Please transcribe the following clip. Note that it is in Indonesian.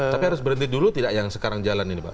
tapi harus berhenti dulu tidak yang sekarang jalan ini pak